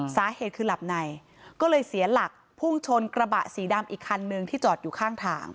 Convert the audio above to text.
สาเหตุคือหลับในก็เลยเสียหลักพุ่งชนกระบะสีดำอีกคันนึงที่จอดอยู่ข้างทาง